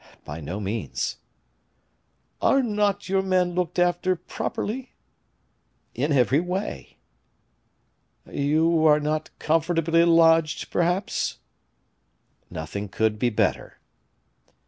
"By no means." "Are not your men looked after properly?" "In every way." "You are not comfortably lodged, perhaps?" "Nothing could be better."